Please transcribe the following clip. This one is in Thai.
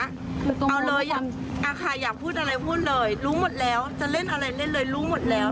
เอาเลยอยากพูดอะไรพูดเลยรู้หมดแล้วจะเล่นอะไรเล่นเลยรู้หมดแล้ว